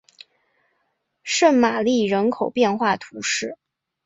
圣玛丽人口变化图示